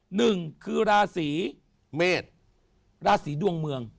หนึ่งคือราศีเมษราศีดวงเมือง